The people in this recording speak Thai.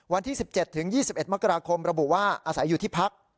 วันที่๑๗๒๑มกราคมระบุว่าอาศัยอยู่ที่พัก